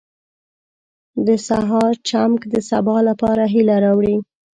• د سهار چمک د سبا لپاره هیله راوړي.